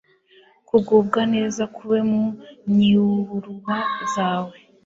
kugubwa neza kube mu nyiuruba zawe!»